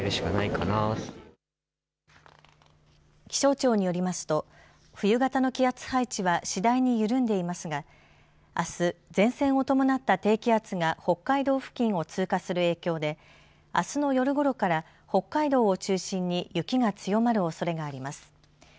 気象庁によりますと冬型の気圧配置は次第に緩んでいますがあす、前線を伴った低気圧が北海道付近を通過する影響であすの夜ごろから北海道を中心に雪が強まるおそれがあります。